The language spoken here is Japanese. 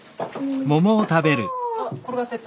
あっ転がってった。